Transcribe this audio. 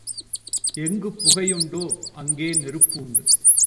எங்கே புகை உண்டோ, அங்கே நெருப்பு உண்டு.